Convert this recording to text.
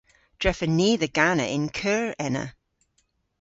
Drefen ni dhe gana y'n keur ena.